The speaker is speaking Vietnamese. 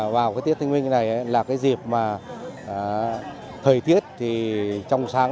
vào cái tiết thanh minh này là cái dịp mà thời tiết thì trong sáng